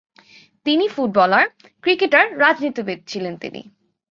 তিনি footballer, cricketer, রাজনীতিবিদ ছিলেন তিনি।